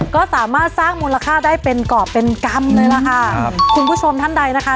ก็สามารถสร้างมูลค่าได้เป็นกรอบเป็นกรรมเลยล่ะค่ะครับคุณผู้ชมท่านใดนะคะ